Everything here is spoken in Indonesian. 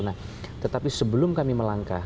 nah tetapi sebelum kami melangkah